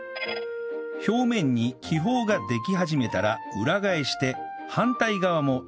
表面に気泡ができ始めたら裏返して反対側も２分焼けば